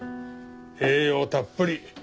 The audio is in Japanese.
栄養たっぷり。